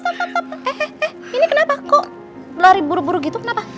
eh eh eh ini kenapa kok lari buru buru gitu kenapa